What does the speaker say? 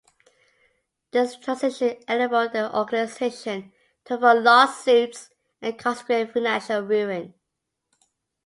This transition enabled the organization to avoid lawsuits and consequent financial ruin.